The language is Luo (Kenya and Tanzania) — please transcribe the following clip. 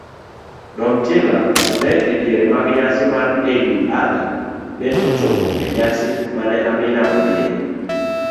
Domtila to ediere mag nyasi mar eidul Adhaa ne ochopo enyasi mane Amina odhiye.